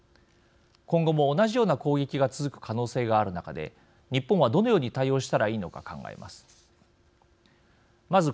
今後も同じような攻撃が続く可能性がある中で日本はどのように対応したらいいのか考えます。